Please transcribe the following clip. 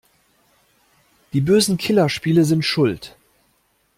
Die bösen Killerspiele sind schuld!